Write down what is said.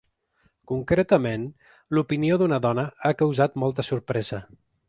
Concretament, l’opinió d’una dona ha causat molta sorpresa.